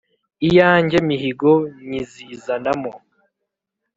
iya nge mihigo nyizizanamo